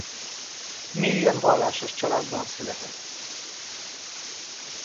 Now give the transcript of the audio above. Mélyen vallásos családban született.